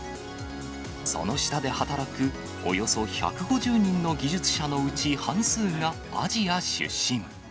その下で働くおよそ１５０人の技術者のうち半数がアジア出身。